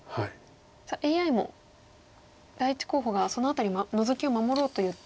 ＡＩも第１候補がその辺りノゾキを守ろうという手ですね。